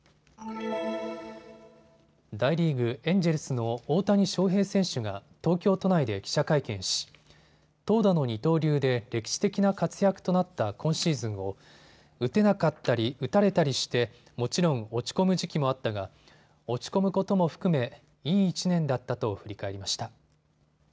大リーグ、エンジェルスの大谷翔平選手が東京都内で記者会見し投打の二刀流で歴史的な活躍となった今シーズンを打てなかったり打たれたりしてもちろん落ち込む時期もあったが落ち込むことも含めいい１年だったと振り返りました。